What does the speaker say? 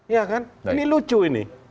ya kan ini lucu ini